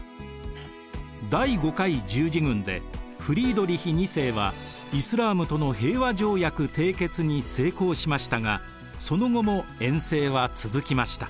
第５回十字軍でフリードリヒ２世はイスラームとの平和条約締結に成功しましたがその後も遠征は続きました。